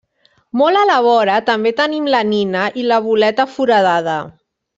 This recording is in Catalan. Molt a la vora, també tenim La Nina i La Boleta Foradada.